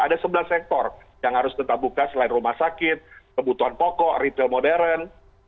ada sebelas sektor yang harus tetap buka selain rumah sakit kebutuhan pokok retail modern